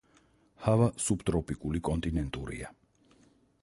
ჰავა სუბტროპიკული კონტინენტურია.